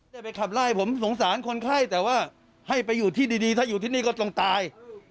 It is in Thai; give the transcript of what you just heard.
ได้ไปขับไล่ผมสงสารคนไข้แต่ว่าให้ไปอยู่ที่ดีถ้าอยู่ที่นี่ก็ต้องตาย